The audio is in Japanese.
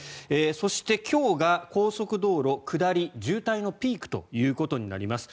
そして、今日が高速道路下り渋滞のピークとなります。